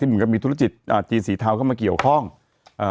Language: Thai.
เหมือนกับมีธุรกิจอ่าจีนสีเทาเข้ามาเกี่ยวข้องอ่า